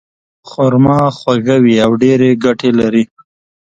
خرما خواږه وي او ډېرې ګټې لري.